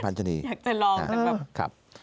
ไปกันกัน